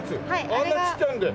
あんなちっちゃいので？